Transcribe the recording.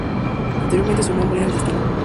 Anteriormente, su nombre era El Destino.